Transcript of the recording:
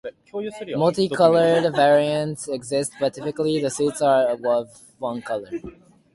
Multicolored variants exist, but typically the suits are of one color.